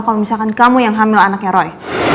kalau misalkan kamu yang hamil anaknya roy